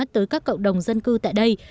tới các cộng đồng dân cư tại đây